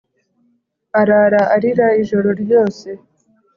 Arara arira ijoro ryose,